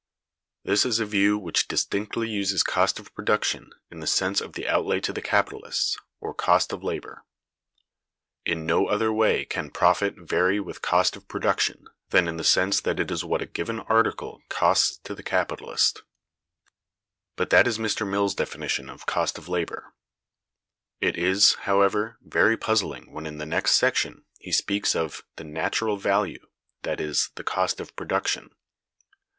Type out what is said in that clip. This is a view which distinctly uses cost of production in the sense of the outlay to the capitalist, or cost of labor. In no other way can profit vary with "cost of production" than in the sense that it is what a given article "costs to the capitalist"; but that is Mr. Mill's definition of cost of labor (p. 227). It is, however, very puzzling when in the next section he speaks of "the natural value, that is, the cost of production."